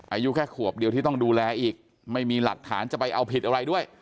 อายุแค่ขวบเดียวที่ต้องดูแลอีกไม่มีหลักฐานจะไปเอาผิดอะไรด้วย